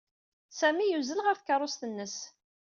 Sami yuzzel ɣer tkeṛṛust-nnes.